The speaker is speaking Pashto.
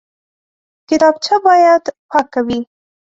کتابچه باید پاکه وي